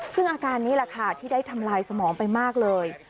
ซึ่งอาการนี้แหละค่ะที่ได้ทำลายสมองไปมากเลย